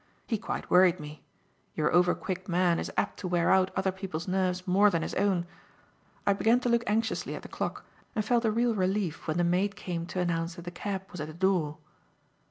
He quite worried me. Your over quick man is apt to wear out other people's nerves more than his own. I began to look anxiously at the clock, and felt a real relief when the maid came to announce that the cab was at the door.